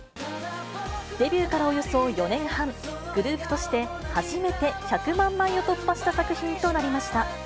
デビューからおよそ４年半、グループとして初めて１００万枚を突破した作品となりました。